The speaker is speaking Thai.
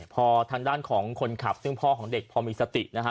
พอทางด้านของคนขับซึ่งพ่อของเด็กพอมีสตินะฮะ